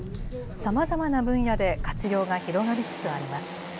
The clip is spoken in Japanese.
さまざまな分野で活用が広がりつつあります。